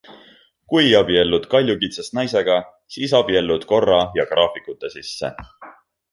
Kui abiellud kaljukitsest naisega, siis abiellud korra ja graafikute sisse.